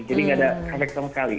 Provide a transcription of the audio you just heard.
jadi tidak ada efek sama sekali